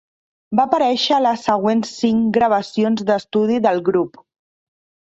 Va aparèixer a les següents cinc gravacions d'estudi del grup.